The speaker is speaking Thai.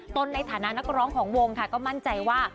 ในฐานะนักร้องของวงค่ะก็มั่นใจว่า